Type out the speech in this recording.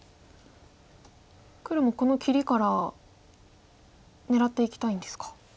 黒もこの切りから狙っていきたいんですか。